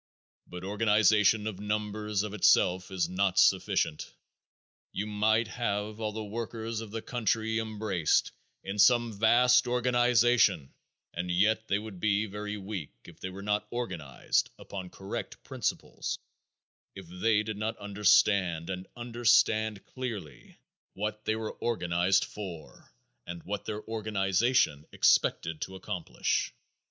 But organization of numbers of itself is not sufficient. You might have all the workers of the country embraced in some vast organization and yet they would be very weak if they were not organized upon correct principles; if they did not understand, and understand clearly, what they were organized for, and what their organization expected to accomplish.